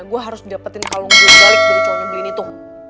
gue harus dapetin kalung gue balik dari cowoknya belin itu